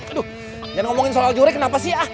aduh jangan ngomongin soal juri kenapa sih ah